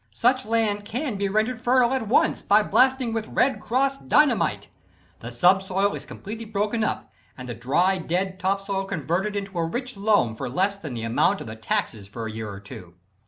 Such land can be rendered fertile at once by blasting with "Red Cross" Dynamite. The subsoil is completely broken up and the dry, dead top soil converted into a rich loam for less than the amount of the taxes for a year or two.